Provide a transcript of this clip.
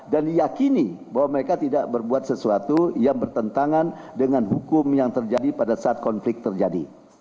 dan diyakini bahwa mereka tidak berbuat sesuatu yang bertentangan dengan hukum yang terjadi pada saat konflik terjadi